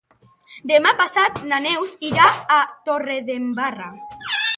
Demà passat na Neus irà a Torredembarra.